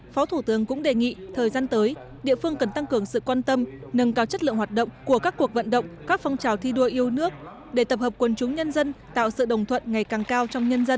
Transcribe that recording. phó thủ tướng cũng đề nghị thời gian tới địa phương cần tăng cường sự quan tâm nâng cao chất lượng hoạt động của các cuộc vận động các phong trào thi đua yêu nước để tập hợp quân chúng nhân dân tạo sự đồng thuận ngày càng cao trong nhân dân